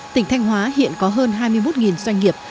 tỉnh thanh hóa hiện có hỗ trợ cho các doanh nghiệp